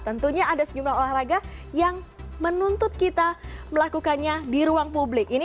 tentunya ada sejumlah olahraga yang menuntut kita melakukannya di ruang publik